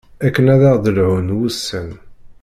Akken ad aɣ-d-lhun wusan.